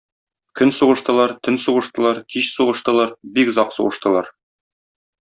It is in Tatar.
Көн сугыштылар, төн сугыштылар, кич сугыштылар, бик озак сугыштылар.